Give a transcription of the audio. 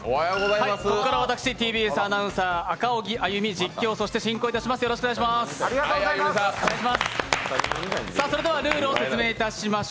ここから私、ＴＢＳアナウンサー、赤荻歩、実況、進行していきます。